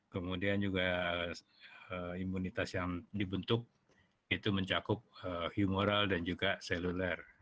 kemudian juga imunitas yang dibentuk itu mencakup humoral dan juga seluler